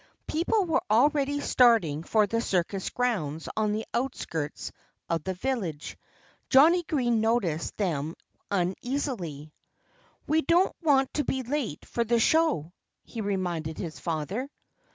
People were already starting for the circus grounds on the outskirts of the village. Johnnie Green noticed them uneasily. "We don't want to be late for the show," he reminded his father.